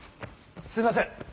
すいません！